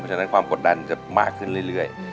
ฉะนั้นความกดดันจะมากขึ้นเรื่อย